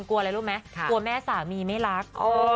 กลัวอะไรรู้ไหมกลัวแม่สามีไม่รัก